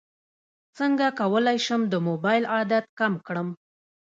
څنګه کولی شم د موبایل عادت کم کړم